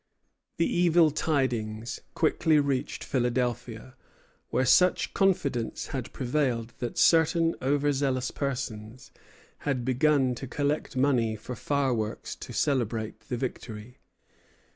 The evil tidings quickly reached Philadelphia, where such confidence had prevailed that certain over zealous persons had begun to collect money for fireworks to celebrate the victory.